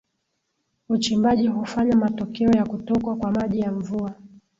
Uchimbaji hufanya matokeo ya kutokwa kwa maji ya mvua